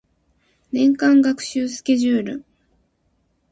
年間学習スケジュール